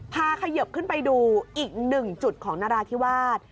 ขยิบขึ้นไปดูอีกหนึ่งจุดของนราธิวาส